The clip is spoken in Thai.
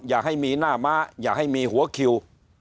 อย่าให้มีหน้าม้าอย่าให้มีหัวคิว